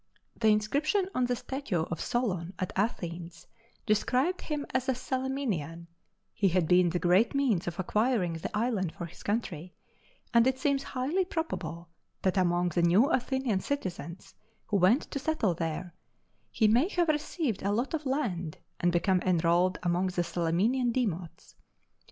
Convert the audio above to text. The inscription on the statue of Solon at Athens described him as a Salaminian; he had been the great means of acquiring the island for his country, and it seems highly probable that among the new Athenian citizens, who went to settle there, he may have received a lot of land and become enrolled among the Salaminian demots.